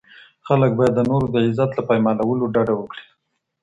خلګ بايد د نورو د عزت له پايمالولو ډډه وکړي.